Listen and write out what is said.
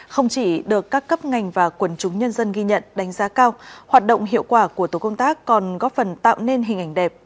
không chỉ được các cấp ngành và quần chúng nhân dân ghi nhận đánh giá cao hoạt động hiệu quả của tổ công tác còn góp phần tạo nên hình ảnh đẹp